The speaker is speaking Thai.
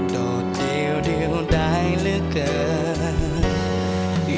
โดดเดียวใดเหลือเกิน